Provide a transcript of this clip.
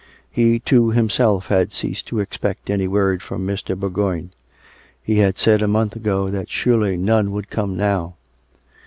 He, too, himself, had ceased to expect any word from Mr. Bourgoign; he had said a month ago that surely none would come now.